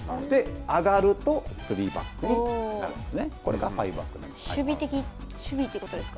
上がると、スリーバックになるんですね。